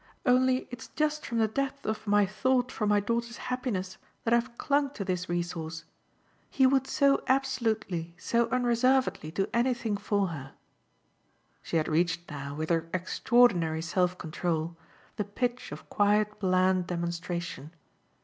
Only it's just from the depth of my thought for my daughter's happiness that I've clung to this resource. He would so absolutely, so unreservedly do anything for her." She had reached now, with her extraordinary self control, the pitch of quiet bland demonstration.